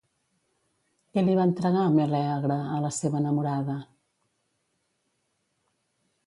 Què li va entregar, Melèagre, a la seva enamorada?